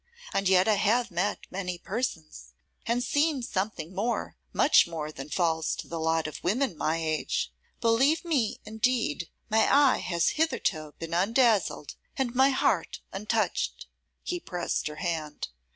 And yet I have met many persons, and seen something more, much more than falls to the lot of women of my age. Believe me, indeed, my eye has hitherto been undazzled, and my heart untouched.' He pressed her hand.